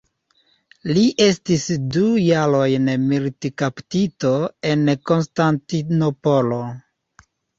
Li estis du jarojn militkaptito en Konstantinopolo.